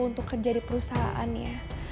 untuk kejar di perusahaannya